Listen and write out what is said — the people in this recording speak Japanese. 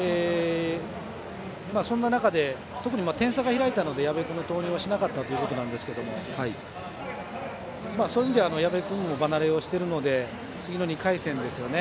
そんな中で特に点差が開いたので矢部君の投入はしなかったということですがそういう意味では矢部君も場慣れしているので２回戦ですね。